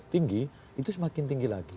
tinggi itu semakin tinggi lagi